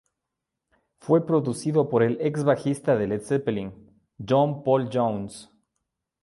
Fue producido por el exbajista de Led Zeppelin, John Paul Jones.